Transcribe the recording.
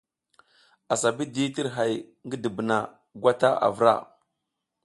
Assa ɓa tir hay ngi dubuna gwata a vra.